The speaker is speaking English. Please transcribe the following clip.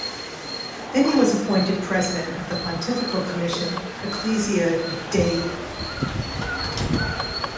Then he was appointed President of the Pontifical Commission "Ecclesia Dei".